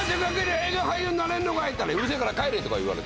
映画俳優になれるのかい！」って言ったら「うるせえから帰れ」とか言われて。